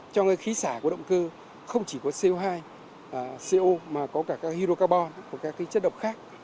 trong cái khí xả của động cơ không chỉ có co hai co mà có cả các hydrocarbon các chất độc khác